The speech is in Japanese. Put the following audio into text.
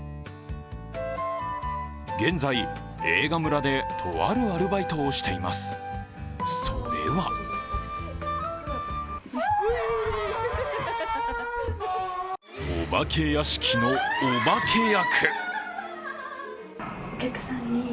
現在、映画村でとあるアルバイトをしています、それはお化け屋敷のお化け役。